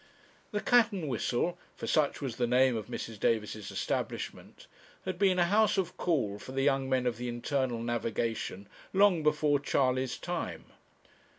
The 'Cat and Whistle,' for such was the name of Mrs. Davis's establishment, had been a house of call for the young men of the Internal Navigation long before Charley's time.